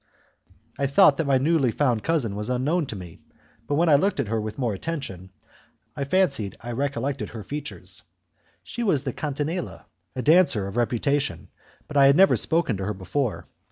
I thought that my newly found cousin was unknown to me, but when I looked at her with more attention, I fancied I recollected her features. She was the Catinella, a dancer of reputation, but I had never spoken to her before.